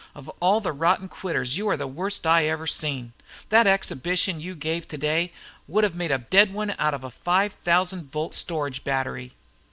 Of all the rotten quitters you are the worst I ever seen. That exhibition you gave today would have made a dead one out of a five thousand volt storage battery.